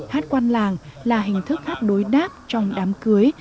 hát quan làng là hình thức hát đối đáp trong đám cưới